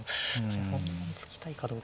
そんなに突きたいかどうか。